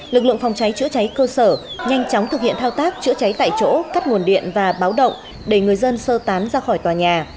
lực lượng phòng cháy chữa cháy cơ sở nhanh chóng thực hiện thao tác chữa cháy tại chỗ cắt nguồn điện và báo động để người dân sơ tán ra khỏi tòa nhà